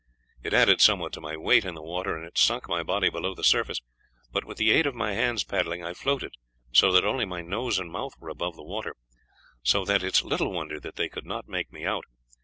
It added somewhat to my weight in the water, and it sunk my body below the surface, but with the aid of my hands paddling I floated so that only my nose and mouth were above the water; so that it is little wonder that they could not make me out.